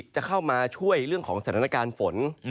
จะเข้ามาช่วยเรื่องของสถานการณ์ฝน